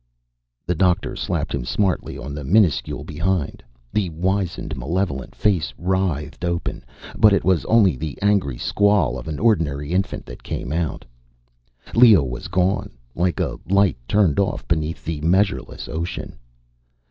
_ The doctor slapped him smartly on the minuscule behind. The wizened, malevolent face writhed open, but it was only the angry squall of an ordinary infant that came out. Leo was gone, like a light turned off beneath the measureless ocean.